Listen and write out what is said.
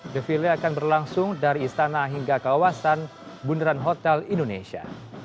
defile akan berlangsung dari istana hingga kawasan bundaran hotel indonesia